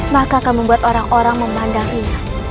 maka kamu buat orang orang memandang rina